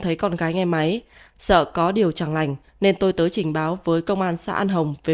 thấy con gái nghe máy sợ có điều chẳng lành nên tôi tới trình báo với công an xã an hồng về